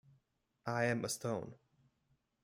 I am a stone.